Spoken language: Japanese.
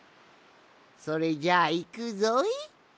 それじゃあいくぞい。